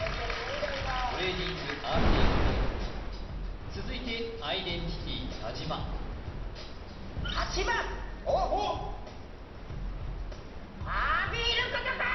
トレーディングアーケードゲーム続いてアイデンティティ田島ファービーのことかー！